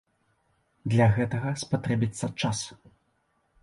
Для гэтага спатрэбіцца час.